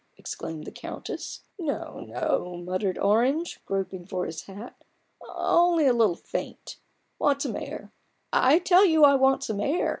exclaimed the Countess. " No, no !" muttered Orange, groping for his hat. " Only a little faint ; want some air !— I tell you I want some air